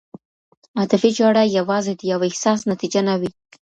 عاطفي ژړا یوازې د یو احساس نتیجه نه وي.